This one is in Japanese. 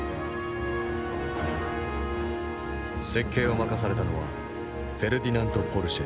設計を任されたのはフェルディナント・ポルシェ。